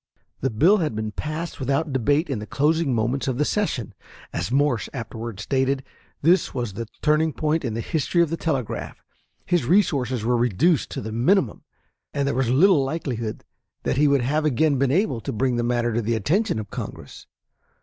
The bill had been passed without debate in the closing moments of the session. As Morse afterward stated, this was the turning point in the history of the telegraph. His resources were reduced to the minimum, and there was little likelihood that he would have again been able to bring the matter to the attention of Congress.